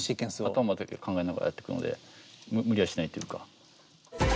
頭で考えながらやってくので無理はしないというか。